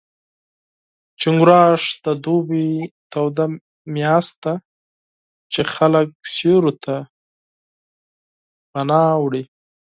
چنګاښ د دوبي توده میاشت ده، چې خلک سیوري ته پناه وړي.